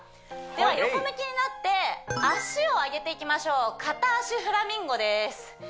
では横向きになって脚を上げていきましょう片脚フラミンゴです